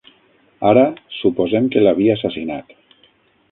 Ara, suposem que l'havia assassinat.